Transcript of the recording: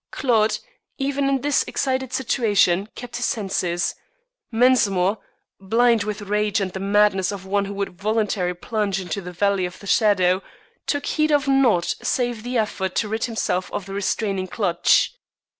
Claude, even in this excited situation, kept his senses. Mensmore, blind with rage and the madness of one who would voluntarily plunge into the Valley of the Shadow, took heed of naught save the effort to rid himself of the restraining clutch.